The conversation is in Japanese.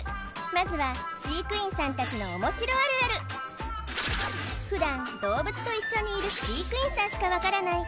まずは飼育員さんたちのオモシロあるある普段動物と一緒にいる飼育員さんしかわからない